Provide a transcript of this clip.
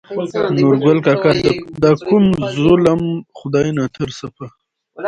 نورګل کاکا : دا کوم ظلم خداى ناترسه په